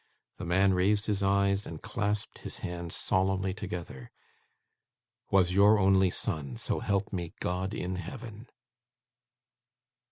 The man raised his eyes, and clasped his hands solemnly together: ' Was your only son, so help me God in heaven!